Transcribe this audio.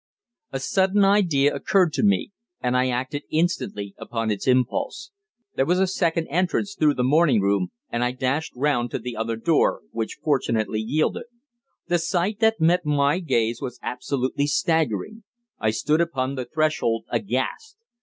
A sudden idea occurred to me, and I acted instantly upon its impulse. There was a second entrance through the morning room; and I dashed round to the other door, which fortunately yielded. The sight that met my gaze was absolutely staggering. I stood upon the threshold aghast.